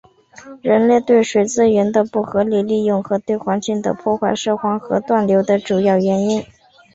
人类对水资源的不合理利用和对环境的破坏是黄河断流的主要原因。